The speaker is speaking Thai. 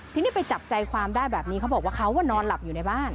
ทีนี้ไปจับใจความได้แบบนี้เขาบอกว่าเขานอนหลับอยู่ในบ้าน